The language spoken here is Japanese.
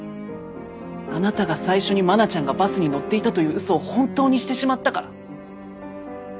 あなたが最初に愛菜ちゃんがバスに乗っていたというウソを本当にしてしまったから。